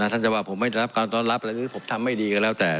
ท่านเจ้าว่าผมไม่ได้รับการตอนรับผมทำไม่ดีกันแล้วแต่